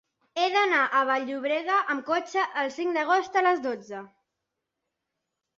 He d'anar a Vall-llobrega amb cotxe el cinc d'agost a les dotze.